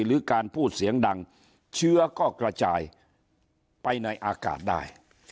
หรือการพูดเสียงดังเชื้อก็กระจายไปในอากาศได้